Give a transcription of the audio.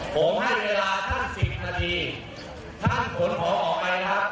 ผมให้เวลาท่านสิบนาทีท่านขนของออกไปนะครับ